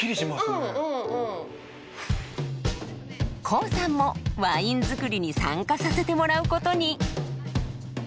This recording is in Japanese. コウさんもワイン造りに参加させてもらうことに。